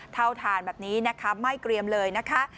เท่าฐานแบบนี้นะคะไม่เกรียมเลยนะคะ